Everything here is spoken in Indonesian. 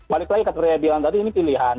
balik lagi ke teriak bilang tadi ini pilihan